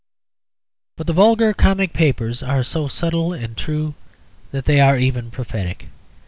But the vulgar comic papers are so subtle and true that they are even prophetic.